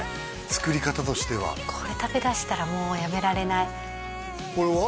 作り方としてはこれ食べだしたらもうやめられないこれは？